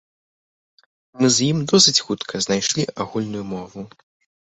Мы з ім досыць хутка знайшлі агульную мову.